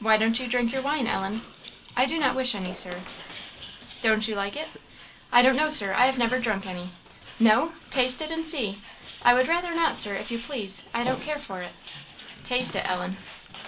"Why don't you drink your wine, Ellen?" "I do not wish any, Sir." "Don't you like it?" "I don't know, Sir; I have never drunk any." "No! Taste it and see." "I would rather not, Sir, if you please. I don't care for it." "Taste it, Ellen!"